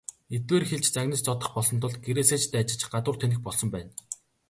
Элдвээр хэлж, загнаж зодох болсон тул гэрээсээ ч дайжиж гадуур тэнэх болсон байна.